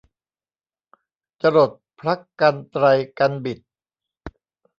จรดพระกรรไตรกรรบิด